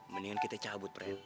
pren mendingan kita cabut pren